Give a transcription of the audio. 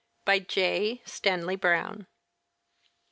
BY J. STANLEY BROWN.